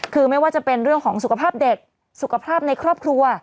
คือไม่ว่าจะเป็นเรื่องของสุขภาพเด็กสุขภาพในครอบครัว